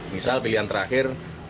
misal pilihan terakhir